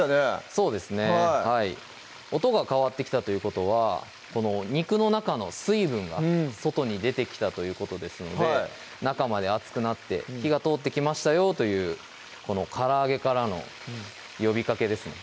そうですね音が変わってきたということは肉の中の水分が外に出てきたということですので中まで熱くなって火が通ってきましたよというこのから揚げからの呼びかけですね